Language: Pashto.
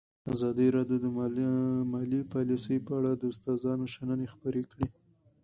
ازادي راډیو د مالي پالیسي په اړه د استادانو شننې خپرې کړي.